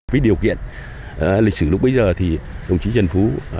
với điều kiện lịch sử lúc bây giờ thì đồng chí trần phú